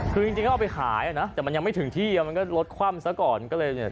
คือจริงเอาไปขายแต่มันยังไม่ถึงที่เลยรถคร่ำสักก่อน